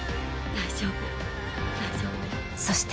大丈夫よ。